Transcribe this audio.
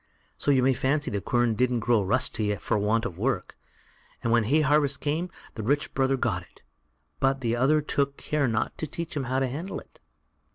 So you may fancy the quern didn't grow rusty for want of work, and when hay harvest came, the rich brother got it, but the other took care not to teach him how to handle it.